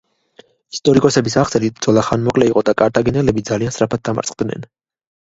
ისტორიკოსების აღწერით ბრძოლა ხანმოკლე იყო და კართაგენელები ძალიან სწრაფად დამარცხდნენ.